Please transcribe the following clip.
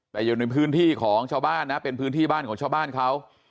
แต่อยู่ในพื้นที่ของชาวบ้านนะเป็นพื้นที่บ้านของชาวบ้านเขา